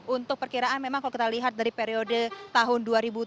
untuk perkiraan memang kalau kita lihat dari periode tahun dua ribu tujuh belas